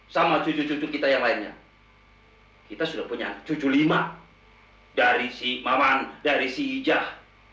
sama cucu cucu kita yang lainnya kita sudah punya cucu lima dari si maman dari si hijah